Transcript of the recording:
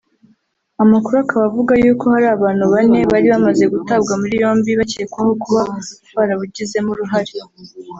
amakuru akaba avuga yuko hari abantu bane bari bamaze gutabwa muri yombi bakekwaho kuba barabugizemo uruhare